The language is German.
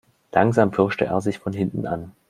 Langsam pirschte er sich von hinten an.